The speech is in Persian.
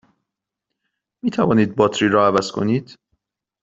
می توانید باتری را عوض کنید؟